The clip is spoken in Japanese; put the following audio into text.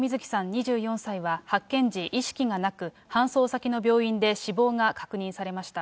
２４歳は発見時、意識がなく、搬送先の病院で死亡が確認されました。